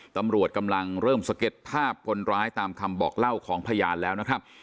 ตำรวจกำลังเริ่มสเก็ตภาพคนร้ายตามคำบอกเล่าของพยานแล้วนะครับ